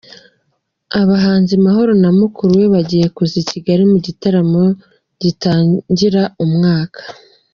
Abahanzi mahoro na mukuru we bagiye kuza i Kigali mu gitaramo gitangira umwaka